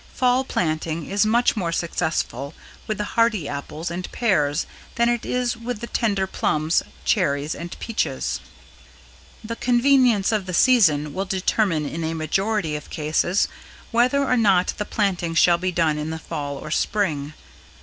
Fall planting is much more successful with the hardy apples and pears than it is with the tender plums, cherries and peaches. "The convenience of the season will determine in a majority of cases whether or not the planting shall be done in the Fall or Spring.